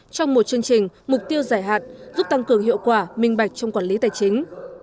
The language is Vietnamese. trong một chương trình mục tiêu giải hạn giúp tăng cường hiệu quả minh bạch trong quản lý tài chính